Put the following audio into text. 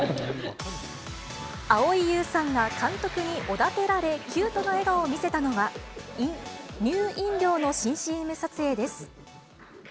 蒼井優さんが監督におだてられ、キュートな笑顔を見せたのは、乳飲料の新ＣＭ撮影です。